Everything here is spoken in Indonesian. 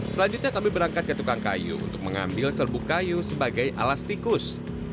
selanjutnya kami berangkat ke tukang kayu untuk mengambil serbuk kayu sebagai alas tikus